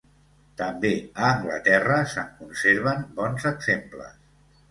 També a Anglaterra se'n conserven bons exemples.